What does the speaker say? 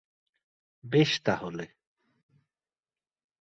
বেশ তাহলে।